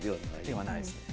ではないですね。